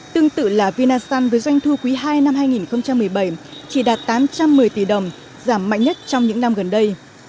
tương tự là vinasun với doanh thu quý ii năm hai nghìn một mươi bảy chỉ đạt tám trăm một mươi tỷ đồng giảm mạnh nhất trong những năm gần đây